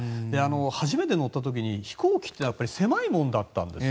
初めて乗った時に、飛行機って狭いもんだったんですよ。